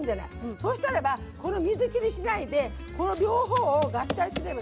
そうしたらばこの水切りしないでこの両方を合体すれば。